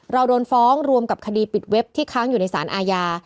เราโดนฟ้องรวมกับคดีปิดเว็บที่ค้างอยู่ในสารอาญา